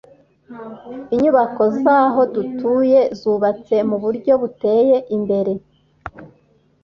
Inyubako zaho dutuye zubatse muburyo buteye imbere